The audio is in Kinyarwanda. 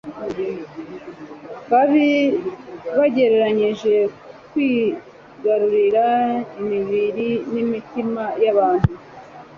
babi bagerageje kwigarurira imibiri n'imitima by'abantu,